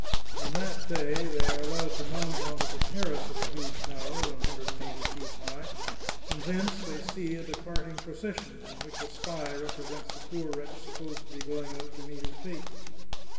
On that day they are allowed to mount on to the terrace of the huge tower, one hundred and eighty feet high, and thence they see a departing pro cession, in which a spy represents the poor wretch supposed to be going out to meet his fate."